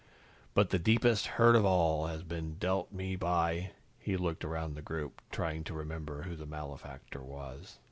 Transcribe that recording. "But the deepest hurt of all has been dealt me by " He looked around the group, trying to remember who the malefactor was.